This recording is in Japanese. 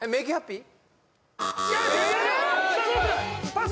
パス？